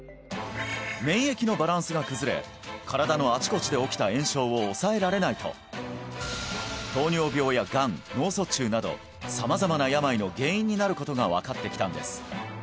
免疫のバランスが崩れ身体のあちこちで起きた炎症を抑えられないと糖尿病やがん脳卒中など様々な病の原因になることが分かってきたんです